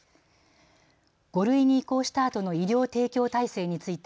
５類に移行したあとの医療提供体制について